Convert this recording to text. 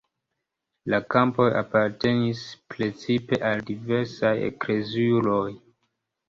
La kampoj apartenis precipe al diversaj ekleziuloj.